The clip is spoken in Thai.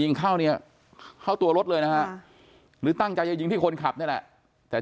เข้าเนี่ยเข้าตัวรถเลยนะฮะหรือตั้งใจจะยิงที่คนขับนี่แหละแต่